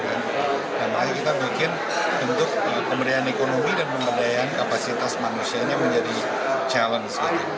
dan makanya kita bikin untuk pemberdayaan ekonomi dan pemberdayaan kapasitas manusianya menjadi challenge